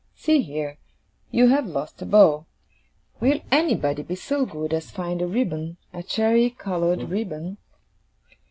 'See here! You have lost a bow. Will anybody be so good as find a ribbon; a cherry coloured ribbon?